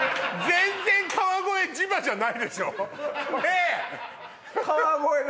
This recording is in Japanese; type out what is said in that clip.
全然川越地場じゃないでしょねえ？